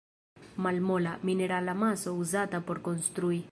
Malmola, minerala maso uzata por konstrui.